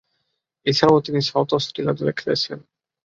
এছাড়াও তিনি South Australia দলে খেলেছেন।